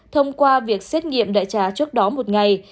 thông qua việc xét nghiệm đại trà trước đó một ngày